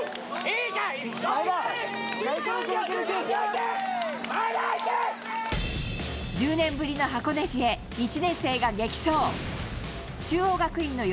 前田、いける、いける、１０年ぶりの箱根路へ、１年生が激走。